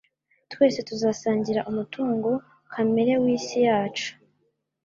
Twese tuzasangira umutungo kamere w'isi yacu.